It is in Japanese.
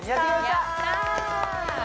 やったー！